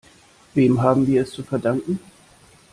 Wem haben wir es zu verdanken?